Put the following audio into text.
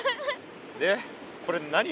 でこれ何？